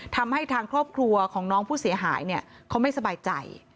ทำให้ทางครอบครัวของน้องผู้เสียหายเขาไม่สบายใจ